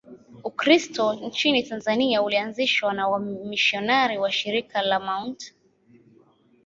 Ukristo nchini Tanzania ulianzishwa na wamisionari wa Shirika la Mt.